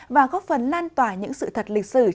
và góp phần lan tỏa những sự thật lịch sử